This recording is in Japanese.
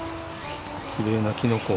きれいなきのこ。